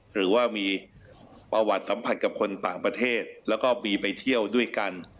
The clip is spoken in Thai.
หรือว่ามีประวัติสัมผัสกับคนต่างประเทศแล้วก็มีไปเที่ยวด้วยกัน